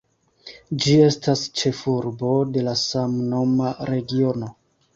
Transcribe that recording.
Ĝi estas ĉefurbo de la samnoma regiono.